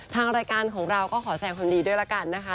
ทางรายการของเราก็ขอแสงความดีด้วยละกันนะคะ